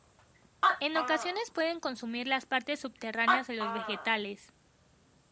En ocasiones pueden consumir las partes subterráneas de los vegetales.